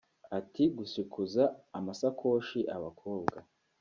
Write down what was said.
Ati” Gushikuza amasakoshi abakobwa